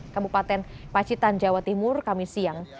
kabupaten pacitan jawa timur kami siang